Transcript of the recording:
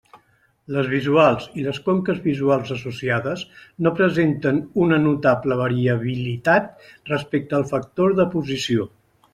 Les visuals i les conques visuals associades no presenten una notable variabilitat respecte al factor de posició.